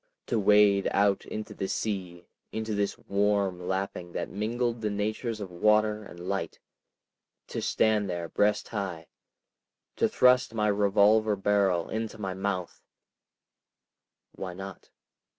To wade out into the sea, into this warm lapping that mingled the natures of water and light, to stand there breast high, to thrust my revolver barrel into my mouth———? Why not?